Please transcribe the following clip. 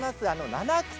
七草